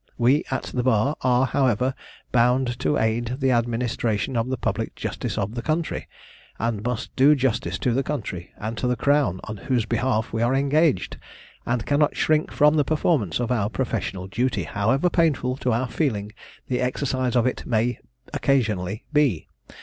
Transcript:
We at the bar are, however, bound to aid the administration of the public justice of the country, and must do justice to the country, and to the crown, on whose behalf we are engaged, and cannot shrink from the performance of our professional duty, however painful to our feelings the exercise of it may occasionally be.